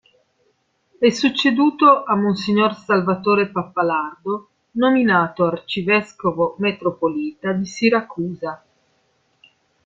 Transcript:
È succeduto a mons. Salvatore Pappalardo, nominato arcivescovo metropolita di Siracusa.